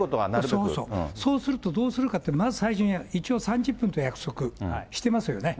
そうそう、そうするとどうするかというと、まず最初に一応３０分という約束してますよね。